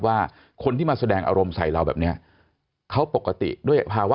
ว่าคนที่มาแสดงอารมณ์ใส่เราแบบนี้เขาปกติด้วยภาวะ